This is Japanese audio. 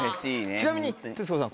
ちなみに徹子さん